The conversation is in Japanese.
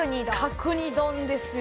角煮丼ですよ。